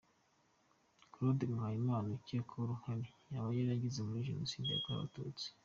Claude Muhayimana ukekwaho uruhare yaba yaragize muri Jenoside yakorewe Abatutsi.